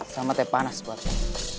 sama teh panas buat lo